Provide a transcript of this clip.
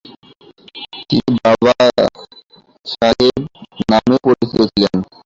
তিনি বাবাসাহেব নামেও পরিচিত ছিলেন।